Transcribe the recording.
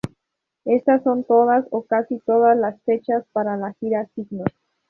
Estas son todas o casi todas las fechas para la "Gira Signos".